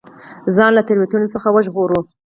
ځان له تېروتنو څخه وژغورو.